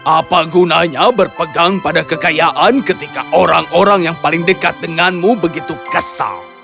apa gunanya berpegang pada kekayaan ketika orang orang yang paling dekat denganmu begitu kesal